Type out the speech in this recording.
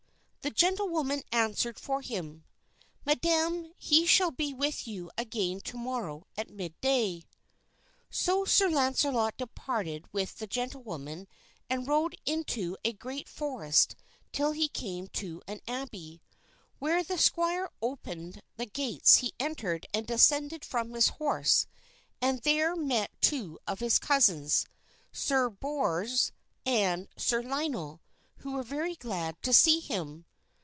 The gentlewoman answered for him: "Madam, he shall be with you again to morrow at mid day." So Sir Launcelot departed with the gentlewoman and rode into a great forest till he came to an abbey. When the squire opened the gates he entered and descended from his horse, and there met two of his cousins, Sir Bors and Sir Lionel, who were very glad to see him.